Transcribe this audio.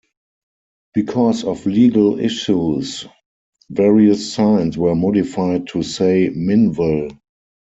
Because of legal issues, various signs were modified to say Minnville.